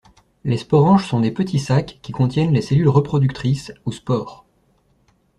Les sporanges sont des petits sacs qui contiennent les cellules reproductrices, ou spores.